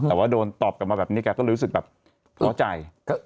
แต่ว่าโดนตอบกลับมาแบบนี้แกก็รู้สึกแบบท้อใจ